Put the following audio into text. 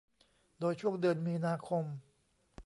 โดยช่วงเดือนมีนาคม